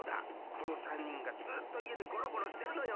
このさんにんがずっといえでゴロゴロしてるのよ。